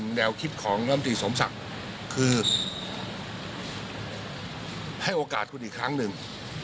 แนวคิดของน้ำตรีสมศักดิ์คือให้โอกาสคุณอีกครั้งหนึ่ง